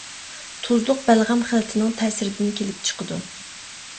تۇزلۇق بەلغەم خىلىتىنىڭ تەسىرىدىن كېلىپ چىقىدۇ.